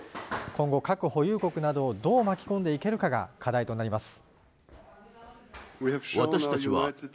今後、核保有国などをどう巻き込んでいけるかが課題となります。